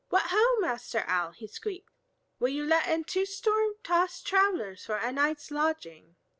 What ho, Master Owl!" he squeaked, "will you let in two storm tossed travelers for a night's lodging?"